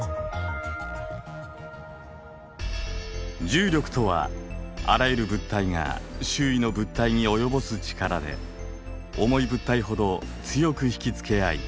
重力とはあらゆる物体が周囲の物体に及ぼす力で重い物体ほど強く引き付けあい